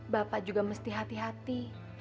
bapak juga mesti hati hati